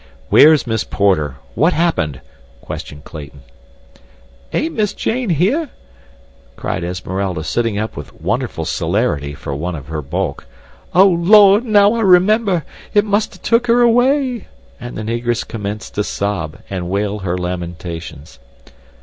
"Where's Miss Porter? What happened?" questioned Clayton. "Ain't Miss Jane here?" cried Esmeralda, sitting up with wonderful celerity for one of her bulk. "Oh, Lord, now I remember! It must have took her away," and the Negress commenced to sob, and wail her lamentations.